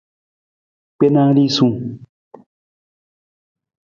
Gbena risung.